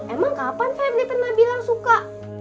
emang kapan febri pernah bilang suka